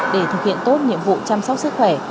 để thực hiện tốt nhiệm vụ chăm sóc sức khỏe